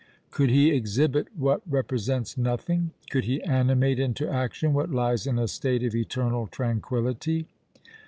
Could he exhibit what represents nothing? Could he animate into action what lies in a state of eternal tranquillity?